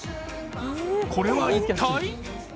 これは一体？